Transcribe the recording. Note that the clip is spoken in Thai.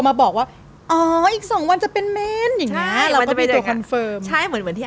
มันจะเป็นเมนแล้ว